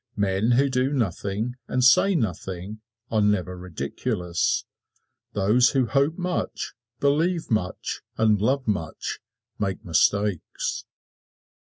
Men who do nothing and say nothing are never ridiculous. Those who hope much, believe much, and love much, make mistakes.